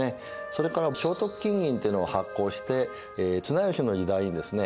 それから正徳金銀というのを発行して綱吉の時代にですね